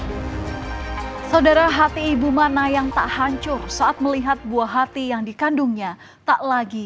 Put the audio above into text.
hai saudara hati ibu mana yang tak hancur saat melihat buah hati yang dikandungnya tak lagi